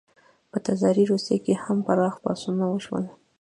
په تزاري روسیه کې هم پراخ پاڅونونه وشول.